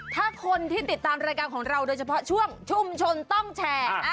ถ้าคนที่ติดตามรายการของเราโดยเฉพาะช่วงชุมชนต้องแชร์